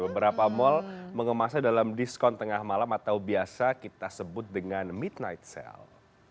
beberapa mal mengemasnya dalam diskon tengah malam atau biasa kita sebut dengan midnight sale